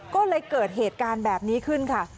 ก็เลยเกิดเหตุการณ์แบบนี้ขึ้นค่ะ